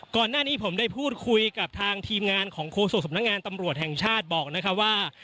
ก่อนหน้านี้ผมได้พูดคุยกับทางทีมงานของโฆษกสำนักงานตำรวจแห่งชาติบอกนะครับว่า